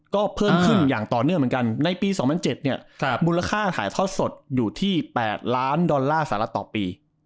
ก็เพิ่มขึ้นอย่างต่อเนื่องเหมือนกันในปี๒๐๐๗เนี่ยมูลค่าถ่ายทอดสดอยู่ที่๘ล้านดอลลาร์สหรัฐต่อปี